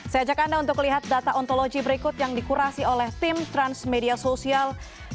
saya ajak anda untuk lihat data ontologi berikut yang dikurasi oleh tim transmedia sosial